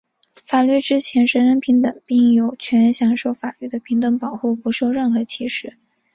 法律之前人人平等,并有权享受法律的平等保护,不受任何歧视。